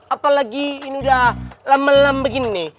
apalagi ini udah lama lama begini